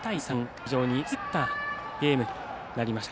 非常に競ったゲームとなりました。